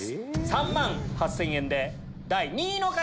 ３万８０００円で第２位の方！